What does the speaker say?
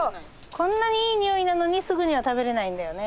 こんなにいい匂いなのにすぐには食べれないんだよね。